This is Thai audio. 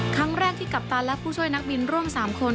ครั้งแรกที่กัปตันและผู้ช่วยนักบินร่วม๓คน